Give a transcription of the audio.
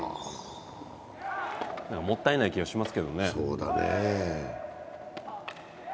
もったいない気がしますけどね。